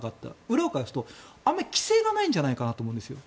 裏を返すとあまり規制がないんじゃないかなと思うんですよ。